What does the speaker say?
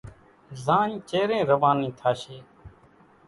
زاڃ چيرين روانِي ٿاشيَ۔